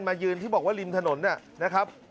ยืนที่บอกว่าริมถนนนะครับ